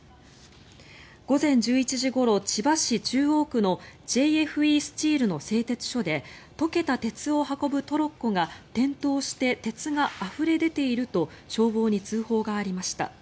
午前１１時ごろ千葉市中央区のＪＦＥスチールの製鉄所で溶けた鉄を運ぶトロッコが転倒して鉄があふれ出ていると消防に通報がありました。